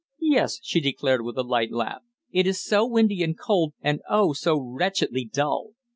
"Yes," she declared, with a light laugh. "It is so windy and cold, and oh! so wretchedly dull."